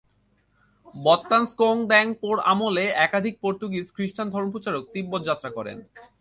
ব্স্তান-স্ক্যোং-দ্বাং-পোর আমলে একাধিক পর্তুগীজ খ্রিষ্টান ধর্মপ্রচারক তিব্বত যাত্রা করেন।